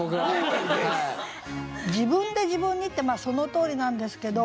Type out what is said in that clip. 「自分で自分に」ってそのとおりなんですけど。